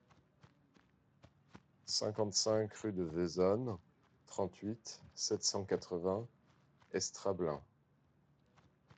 cinquante-cinq rue de Vezonne, trente-huit, sept cent quatre-vingts, Estrablin